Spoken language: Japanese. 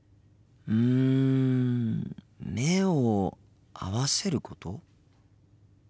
うん目を合わせること？